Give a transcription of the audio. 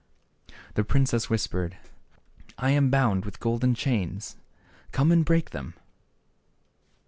The princess whispered, " I am bound with golden chains ; come and break them."